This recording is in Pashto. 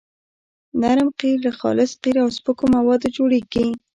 نرم قیر له خالص قیر او سپکو موادو جوړیږي